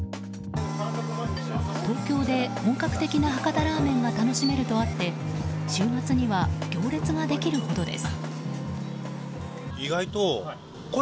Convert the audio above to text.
東京で本格的な博多ラーメンが楽しめるとあって週末には行列ができるほどです。